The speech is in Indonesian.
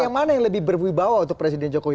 yang mana yang lebih berwibawa untuk presiden jokowi